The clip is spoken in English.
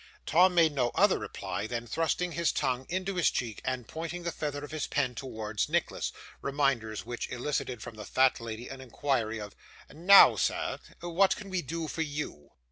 Tom made no other reply than thrusting his tongue into his cheek, and pointing the feather of his pen towards Nicholas reminders which elicited from the fat lady an inquiry, of 'Now, sir, what can we do for YOU?